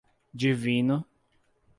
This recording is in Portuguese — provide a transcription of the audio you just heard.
Divino